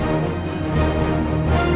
aku akan menang